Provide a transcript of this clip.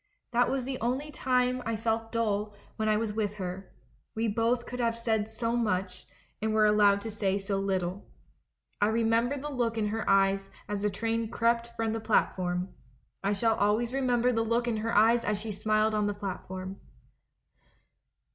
That was the only time I felt dull when I was with her — we both could have said so much and were allowed to say so little. I remember the look in her eyes as the train crept from the platform. I shall always remember the look in her eyes as she smiled on the platform